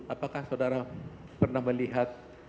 apakah saudara pernah melihat